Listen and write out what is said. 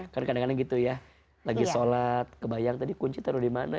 karena kadang kadang gitu ya lagi sholat kebayang tadi kunci taruh di mana